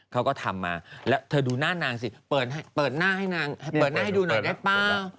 เขาก็ทำมาแล้วเธอดูหน้านางสิเปิดหน้าให้ดูหน่อยได้เปล่า